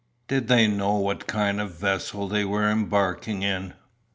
Did they know what kind of a vessel they were embarking in?"